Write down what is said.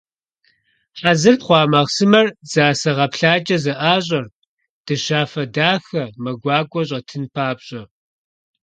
Хьэзыр хъуа махъсымэр дзасэ гъэплъакIэ зэIащIэрт, дыщафэ дахэ, мэ гуакIуэ щIэтын папщIэ.